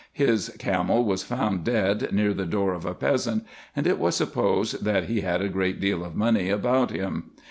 His camel was found dead near the door of a peasant, and it was supposed that he had a great deal of money about him.